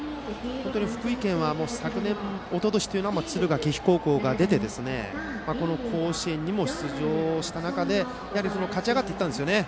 福井県は昨年、おととしは敦賀気比高校が出てこの甲子園にも出場した中で勝ち上がっていったんですね。